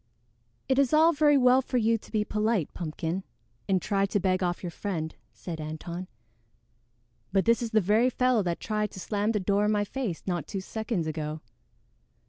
"It is all very well for you to be polite, Pumpkin, and try to beg off your friend," said Antone, "but this is the very fellow that tried to slam the door in my face not two seconds ago."